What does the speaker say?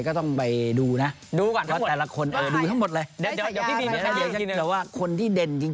แต่ตอนนี้ไปดูทั้งหมดของ